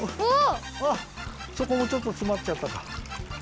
あそこもちょっとつまっちゃったか。